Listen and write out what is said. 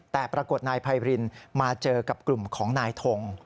แต่ปรากฏนายไพรินมาเจอกับกลุ่มของนายทง